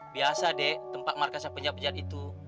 biasa dek tempat markas penjabat penjabat itu